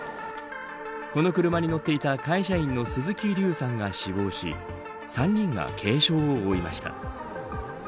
この車に乗っていた会社員の鈴木龍さんが死亡し３人が軽傷を負いました。